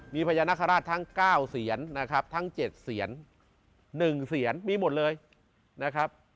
มีพญานาคาราชทั้ง๙เสียนนะครับทั้ง๗เสียน๑เสียนมีหมดเลยนะครับ